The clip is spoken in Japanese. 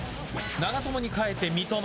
長友に代えて三笘。